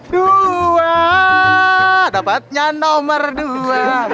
dua dapatnya nomor dua